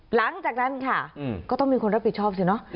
หลังจากนั้นค่ะก็ต้องมีคนรับผิดชอบสิเนอะ